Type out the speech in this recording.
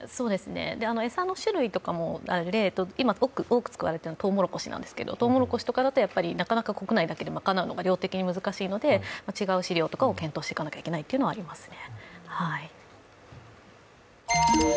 餌の種類とかも、今、多く使われているのはとうもろこしなんですけどとうもろこしとかだとなかなか国内だけで賄うのは量的に難しいの違う飼料とかを検討していかなければいけないですね。